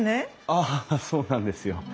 ああそうなんですよ。